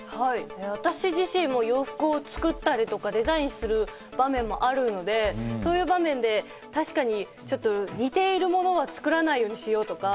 私自身も洋服を作ったりとかデザインする場面もあるので、そういう場面で確かに似ているものは作らないようにしようとか。